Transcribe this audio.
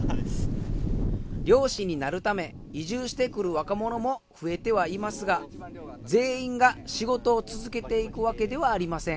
漁師になるため移住してくる若者も増えてはいますが全員が仕事を続けていくわけではありません。